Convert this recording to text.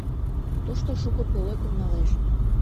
Тушто шуко пӧлекым налеш.